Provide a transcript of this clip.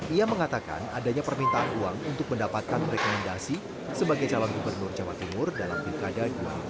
ia mengatakan adanya permintaan uang untuk mendapatkan rekomendasi sebagai calon gubernur jawa timur dalam pilkada dua ribu tujuh belas